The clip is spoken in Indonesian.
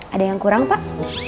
ada yang kurang pak